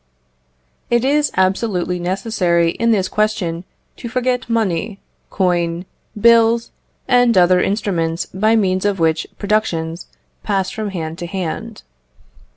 It is absolutely necessary in this question to forget money, coin, bills, and the other instruments by means of which productions pass from hand to hand.